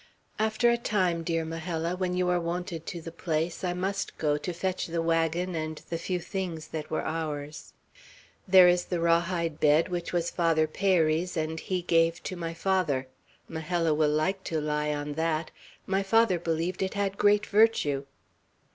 "After a time, dear Majella, when you are wonted to the place, I must go, to fetch the wagon and the few things that were ours. There is the raw hide bed which was Father Peyri's, and he gave to my father. Majella will like to lie on that. My father believed it had great virtue."